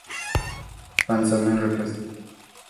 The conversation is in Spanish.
Fan-sama Request!!!